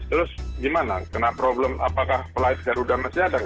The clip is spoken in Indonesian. terus gimana kena problem apakah pelite garuda masih ada